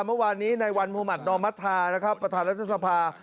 เมื่อวานนี้ในวันมหุมัตินมประธารัฐสภา